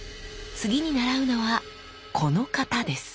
次に習うのはこの形です。